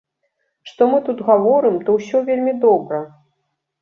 Што мы тут гаворым, то ўсё вельмі добра.